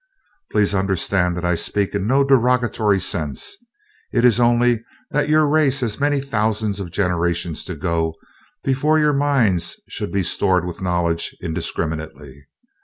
Please understand that I speak in no derogatory sense; it is only that your race has many thousands of generations to go before your minds should be stored with knowledge indiscriminately.